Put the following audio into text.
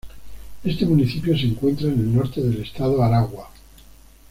Este municipio se encuentra en el norte del estado Aragua.